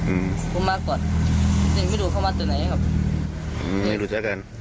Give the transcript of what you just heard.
อืมผมมาก่อนยังไม่รู้เข้ามาตัวไหนครับอืมไม่รู้จักกัน